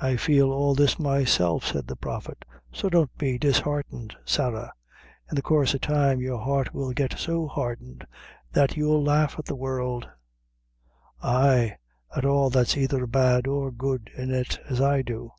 "I feel all this myself," said the Prophet; "so, don't be disheartened, Sarah; in the coorse o' time your heart will get so hardened that you'll laugh at the world ay, at all that's either bad or good in it, as I do."